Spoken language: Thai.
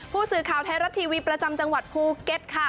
ผู้สื่อข่าวไทยรัฐทีวีประจำจังหวัดภูเก็ตค่ะ